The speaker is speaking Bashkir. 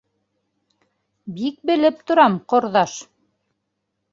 — Бик белеп торам, ҡорҙаш.